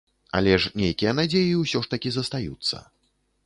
Але ж нейкія надзеі ўсё ж такі застаюцца.